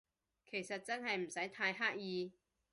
其實真係唔使太刻意